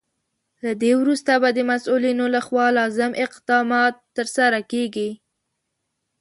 له دې وروسته به د مسولینو لخوا لازم اقدامات ترسره کیږي.